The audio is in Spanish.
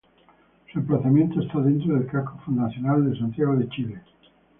Su emplazamiento está dentro del casco fundacional de Santiago de Chile.